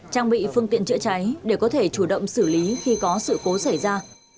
trang bị phương tiện chữa cháy để có thể chủ động xử lý khi có sự cố xảy ra